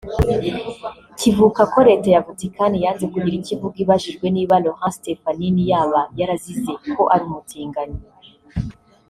kivuka ko Leta ya Vatikani yanze kugira icyo ivuga ibajijwe niba Laurent Stefanini yaba yarazize ko ari umutinganyi